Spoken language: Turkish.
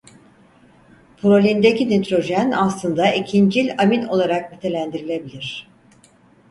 Prolindeki nitrojen aslında ikincil amin olarak nitelendirilebilir.